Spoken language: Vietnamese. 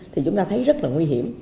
thì chúng ta thấy rất là nguy hiểm